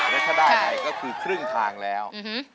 แล้วถ้าได้ไปก็คือครึ่งทางแล้ว